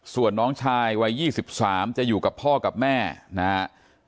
ส่วนน้องชายวัย๒๓จะอยู่กับพ่อกับแม่นะครับ